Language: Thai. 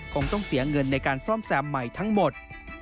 คงต้องเสียเงินในการซ่อมแซมใหม่ทั้งหมด